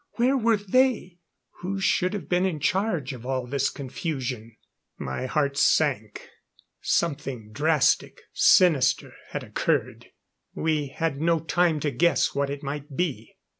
Where were they, who should have been in charge of all this confusion? My heart sank. Something drastic, sinister, had occurred. We had no time to guess what it might be.